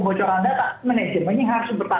kita harapkan adanya ruu pdp ini segeralah dikeluarkan